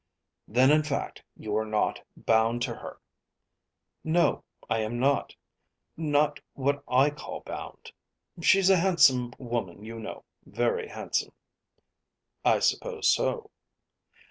"Then in fact you are not bound to her." "No; I am not; not what I call bound. She's a handsome woman you know, very handsome." "I suppose so."